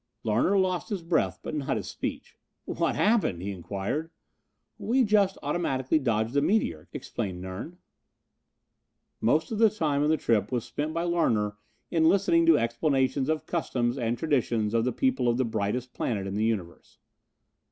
Larner lost his breath but not his speech. "What happened?" he inquired. "We just automatically dodged a meteor," explained Nern. Most of the time of the trip was spent by Larner in listening to explanations of customs and traditions of the people of the brightest planet in the universe.